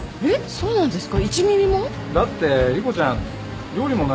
そうなんですか？